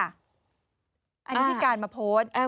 อันนี้ที่การมาโพสต์